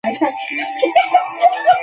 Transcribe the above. উদাহরণস্বরূপ- ছি ছি!